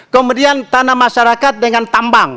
kemudian tanah masyarakat dengan tambang